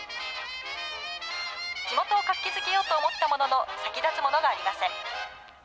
地元を活気づけようと思ったものの、先立つものがありません。